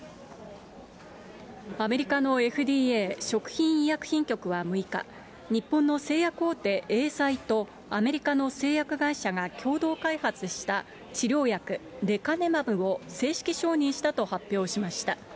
アメリカのＦＤＡ・食品医薬品局は６日、日本の製薬大手、エーザイとアメリカの製薬会社が共同開発した治療薬レカネマブを、正式承認したと発表しました。